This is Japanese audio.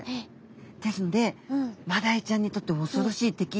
ですのでマダイちゃんにとって恐ろしい敵